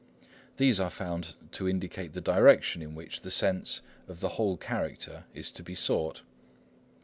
These are found to indicate the direction in which the sense of the whole character is to be sought.